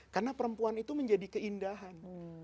karena perempuan itu menjadi keindahan